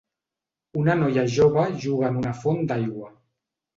Una noia jove juga en una font d'aigua.